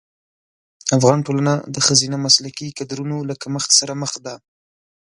افغان ټولنه د ښځینه مسلکي کدرونو له کمښت سره مخ ده.